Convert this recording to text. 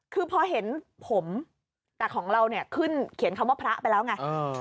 คือพอเห็นผมแต่ของเราเนี่ยขึ้นเขียนคำว่าพระไปแล้วไง